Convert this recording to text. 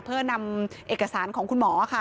เพื่อนำเอกสารของคุณหมอค่ะ